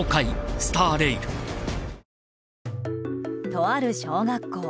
とある小学校。